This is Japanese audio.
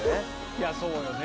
いやそうよね。